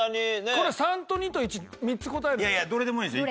これ３と２と１３つ答えるんですか？